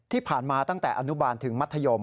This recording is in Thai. ที่ผ่านมาตั้งแต่อนุบาลถึงมัธยม